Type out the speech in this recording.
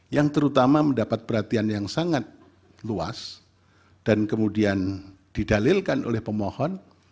yang terutama mendapat perhatian yang sangat luas dan kemudian didalilkan oleh pemohon